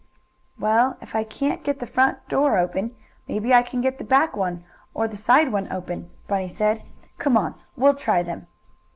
"Well, if I can't get the front door open, maybe I can get the back one or the side one open," Bunny said. "Come on, we'll try them."